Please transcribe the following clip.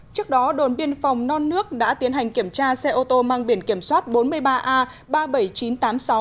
trước đó đồn biên phòng non nước đã tiến hành kiểm tra xe ô tô mang biển kiểm soát bốn mươi ba a ba mươi bảy nghìn chín trăm tám mươi sáu